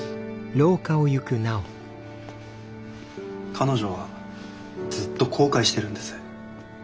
彼女はずっと後悔してるんです。